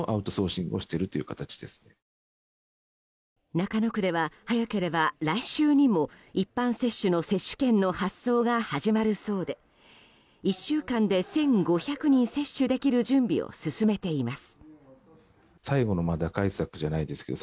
中野区では、早ければ来週にも一般接種の接種券の発送が始まるそうで１週間で１５００人接種できる準備を進めています。